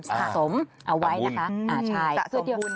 สะสมเอาไว้นะคะใช่บุญ